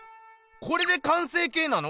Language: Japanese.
これで完成形なの？